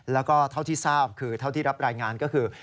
แล้วก็เท่าที่ทราบคือเท่าที่รับรายงานก็คือ